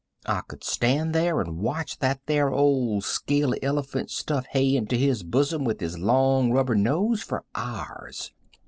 I could stand there and watch that there old scaly elephant stuff hay into his bosom with his long rubber nose for hours.